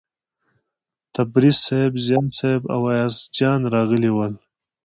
تبریز صیب، ضیا صیب او ایاز جان راغلي ول.